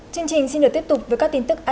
chương trình xin được tiếp tục với các tin tức an